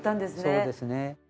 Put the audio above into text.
そうですね。